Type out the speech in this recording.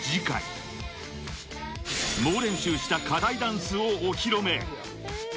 ［猛練習した課題ダンスをお披露目］